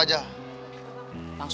wah bagus banget